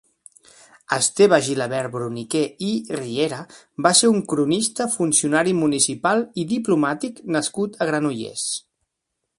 Esteve Gilabert Bruniquer i Riera va ser un cronista, funcionari municipal i diplomàtic nascut a Granollers.